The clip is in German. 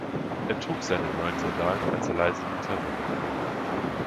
Er trug seine neuen Sandalen, als er leise die Treppe runterging.